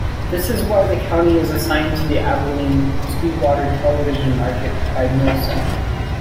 This is why the county is assigned to the Abilene-Sweetwater television market by Nielsen.